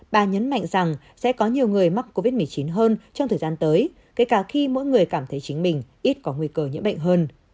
bà nhấn mạnh rằng sẽ có nhiều người mắc covid một mươi chín hơn trong thời gian tới kể cả khi mỗi người cảm thấy chính mình ít có nguy cơ nhiễm bệnh hơn